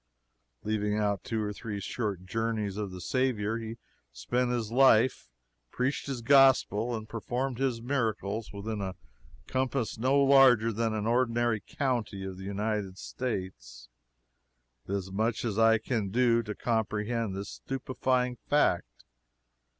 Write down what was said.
Leaving out two or three short journeys of the Saviour, he spent his life, preached his gospel, and performed his miracles within a compass no larger than an ordinary county in the United States. It is as much as I can do to comprehend this stupefying fact.